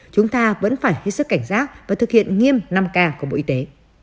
chúng ta vẫn phải hết sức cảnh giác và thực hiện nghiêm năm k của bộ y tế